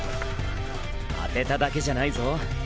当てただけじゃないぞ。